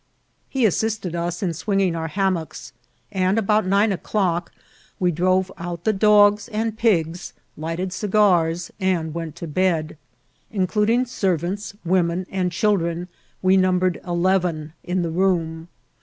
He assisted us in swinging our hammocks, and about nine o'clock we drove out the dogs and pigs, lig^ed cigars, and went to bed. Including servants, women, and children, we numbered eleven in the room.